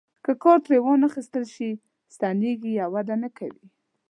که کار ترې وانخیستل شي سستیږي او وده نه کوي.